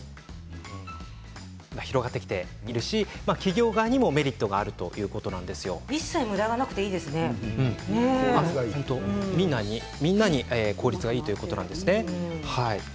今、広がってきているし企業側にもメリットがある一切むだがなくてみんなに効率がいいということなんですね。